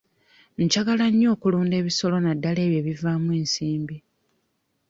Njagala nnyo okulunda ebisolo naddala ebyo ebivaamu ensimbi.